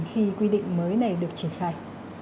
khi quy định mới này được triển khai